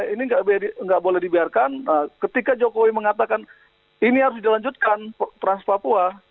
ini nggak boleh dibiarkan ketika jokowi mengatakan ini harus dilanjutkan trans papua